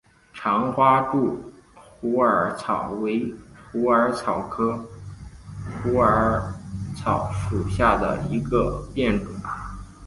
长花柱虎耳草为虎耳草科虎耳草属下的一个变种。